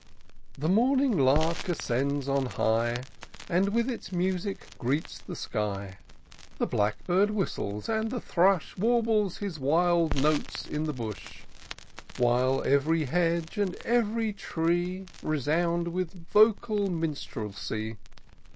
The morning lark ascends on high. And with its music greets the sky : IN SEARCH OF THE PICTURESQUE. 1 1 The blackbird whistles, and the thrush Warbles his wild notes in the bush ; WTiile ev'ry hedge and ev'ry tree Resound with vocal minstrelsy.